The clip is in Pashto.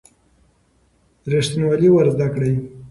ریښتینولي ور زده کړئ.